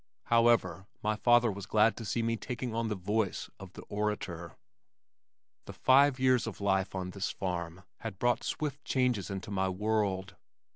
However, my father was glad to see me taking on the voice of the orator. The five years of life on this farm had brought swift changes into my world.